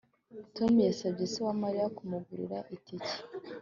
Tom yasabye se wa Mariya kumugurira itike